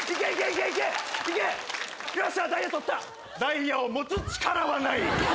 ダイヤを持つ力はない。